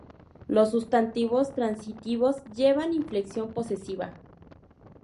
Los sustantivos transitivos llevan inflexión posesiva.